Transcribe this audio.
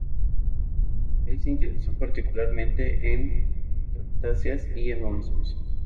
Él se interesó particularmente en cactáceas y en moluscos.